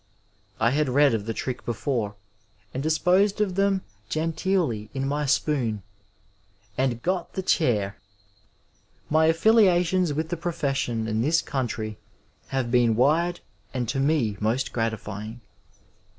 I had read of the trick before and disposed of them genteelly in my spoon— and got the Chair ! My affiliations with the profe88i(Hi in this country have been wide and to me most gratifying.